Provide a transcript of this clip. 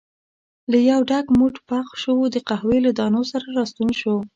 له یو ډک موټ پخ شوو د قهوې له دانو سره راستون شو.